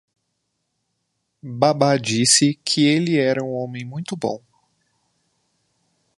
Baba disse que ele era um homem muito bom.